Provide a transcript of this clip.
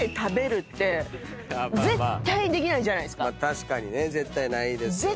確かにね。絶対ないですよね。